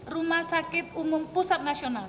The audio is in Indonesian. rumah sakit umum pusat nasional